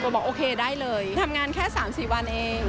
บอกโอเคได้เลยทำงานแค่๓๔วันเอง